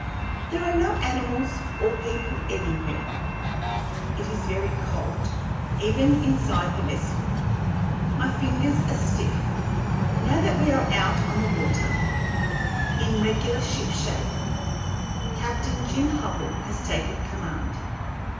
There are no animals or people anywhere. It is very cold, even inside the vessel. My fingers are stiff. Now that we are out on the water, in regular shipshape, Captain Jim Hubbell has taken command.